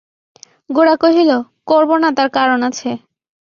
গোরা কহিল, করব না তার কারণ আছে।